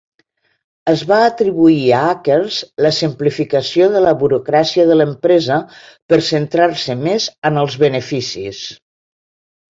Es va atribuir a Akers la simplificació de la burocràcia de l'empresa per centrar-se més en els beneficis.